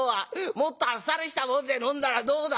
もっとあっさりしたもんで飲んだらどうだ？」。